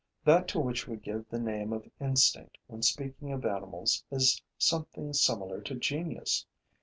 That to which we give the name of instinct when speaking of animals is something similar to genius.